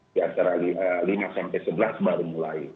di antara lima sampai sebelas baru mulai